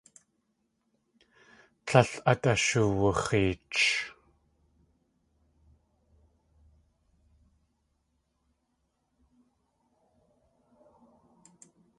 Tlél át ashuwux̲eech.